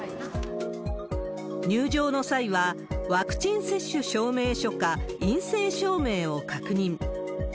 入場の際は、ワクチン接種証明書か陰性証明を確認。